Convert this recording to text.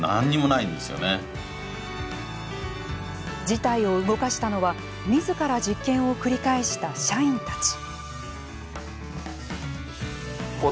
事態を動かしたのは自ら実験を繰り返した社員たち。